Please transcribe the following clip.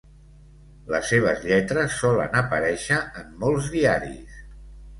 Les seves lletres solen aparèixer en molts diaris.